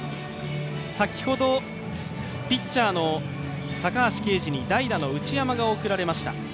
先ほどピッチャーの高橋奎二に代打の内山が送られました。